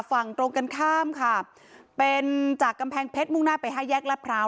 ฝั่งตรงกันข้ามค่ะเป็นจากกำแพงเพชรมุ่งหน้าไปห้าแยกรัฐพร้าว